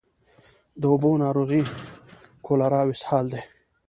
د اوبو ناروغۍ کالرا او اسهال دي.